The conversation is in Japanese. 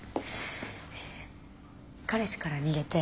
彼氏から逃げて。